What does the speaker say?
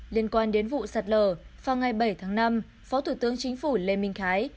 liên quan đến vụ sạt lở vào ngày bảy tháng năm phó thủ tướng chính phủ lê minh khái